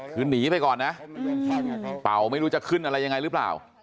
คือหนีไปก่อนนะเป่าไม่รู้จะขึ้นอะไรยังไงหรือเปล่า